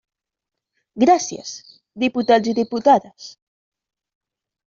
Gràcies, diputats i diputades.